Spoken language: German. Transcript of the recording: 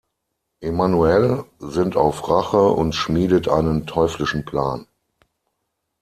Emanuelle sinnt auf Rache und schmiedet einen teuflischen Plan.